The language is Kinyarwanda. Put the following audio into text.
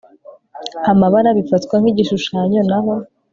amabara bifatwa nk igishushanyo naho